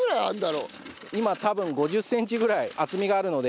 今多分５０センチぐらい厚みがあるので。